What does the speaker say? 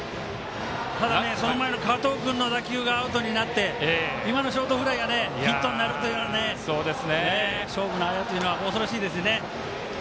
その前の加藤君の打球がアウトになって今のショートフライがヒットになるという勝負のあやというのは恐ろしいですね。